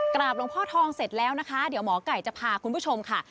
กราบหลวงพ่อทองเสร็จแล้วนะคะเดี๋ยวหมอไก่จะพาคุณผู้ชมค่ะ